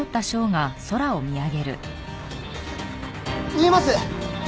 見えます！